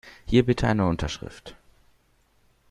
Hier bitte eine Unterschrift.